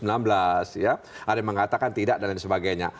ada yang mengatakan tidak dan lain sebagainya